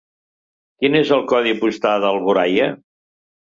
Quin és el codi postal d'Alboraia?